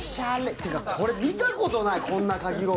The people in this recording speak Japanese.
ていうか、見たことない、こんなかき氷。